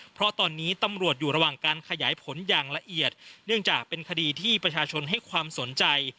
เพราะตอนนี้ตำรวจอยู่ระหว่างการขยายผลอย่างละเอียดเนื่องจากเป็นคดีที่ประชาชนให้ความสนใจ